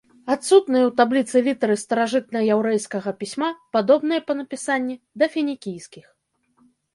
Адсутныя ў табліцы літары старажытнаяўрэйскага пісьма падобныя па напісанні да фінікійскіх.